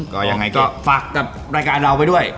ก็ยังไงก็ฝากกับรายการเราไปด้วย